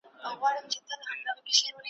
له آسمانه به راتللې بیرته کورته `